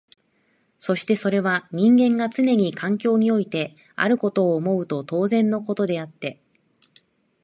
そしてそれは人間がつねに環境においてあることを思うと当然のことであって、